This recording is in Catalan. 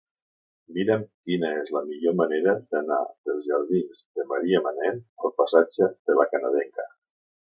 Mira'm quina és la millor manera d'anar dels jardins de Marià Manent al passatge de La Canadenca.